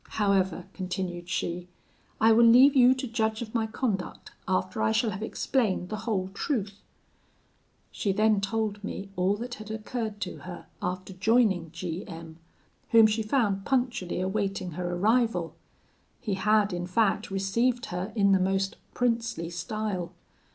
However,' continued she, 'I will leave you to judge of my conduct, after I shall have explained the whole truth.' "She then told me all that had occurred to her after joining G M , whom she found punctually awaiting her arrival. He had in fact received her in the most princely style.